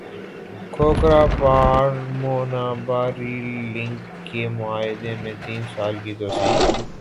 کھوکھرا پار Munabao rail link کے معاہدے میں تین سال کی توسیع